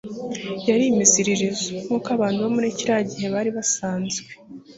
yari imiziririzo, nkuko abantu bo muri kiriya gihe bari basanzwe